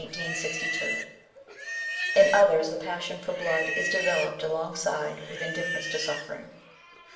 * In others, the passion for blood is developed along side with indifference to suffering.